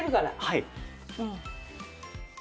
はい。